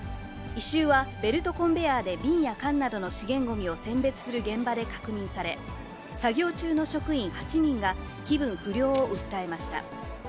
異臭はベルトコンベヤーで、瓶や缶などの資源ごみを選別する現場で確認され、作業中の職員８人が気分不良を訴えました。